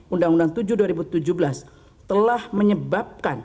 undang undang tujuh dua ribu tujuh belas